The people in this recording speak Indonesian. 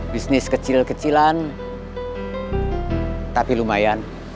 bisnis kecil kecilan tapi lumayan